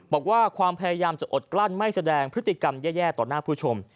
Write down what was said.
บอกว่าความพยายามจะอดกลั้นไม่แสดงพฤติกรรมแย่ต่อหน้าผู้ชม